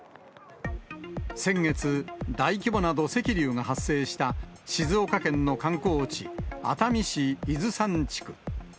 先月、大規模な土石流が発生した静岡県の観光地、熱海市伊豆山地区。